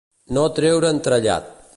No treure'n trellat.